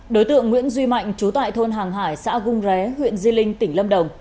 đối tượng nguyễn duy mạnh chú tại thôn hàng hải xã gung ré huyện di linh tỉnh lâm đồng